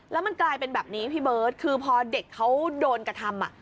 แล้วมันกลายเป็นแบบนี้พี่เบิร์ตคือพอเด็กเขาโดนกระทำ